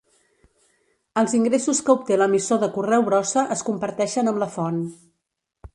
Els ingressos que obté l'emissor de correu brossa es comparteixen amb la font.